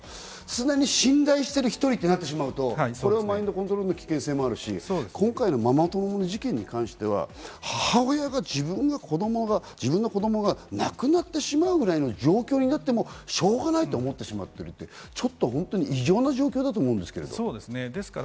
常に信頼する一人となるとマインドコントロールの危険性もあるし、今回のママ友の事件も母親が自分の子供がなくなってしまうくらいの状況になってもしょうがないと思ってしまうって本当に異常な状況だと思うんですけど。